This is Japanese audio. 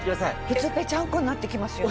普通ぺちゃんこになってきますよね。